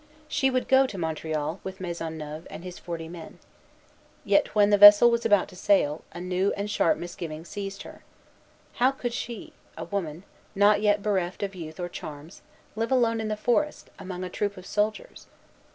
She would go to Montreal with Maisonneuve and his forty men. Yet, when the vessel was about to sail, a new and sharp misgiving seized her. How could she, a woman, not yet bereft of youth or charms, live alone in the forest, among a troop of soldiers?